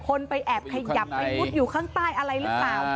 ไปแอบขยับไปมุดอยู่ข้างใต้อะไรหรือเปล่า